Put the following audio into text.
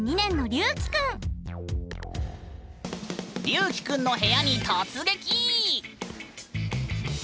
りゅうきくんの部屋に突撃！